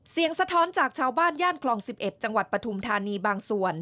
สะท้อนจากชาวบ้านย่านคลอง๑๑จังหวัดปฐุมธานีบางส่วน